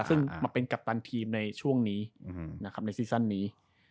ซึ่งมาเป็นกัปตันทีมในช่วงนี้ในซีสันนี้